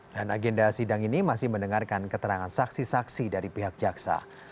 dan agenda sidang ini masih mendengarkan keterangan saksi saksi dari pihak jaksa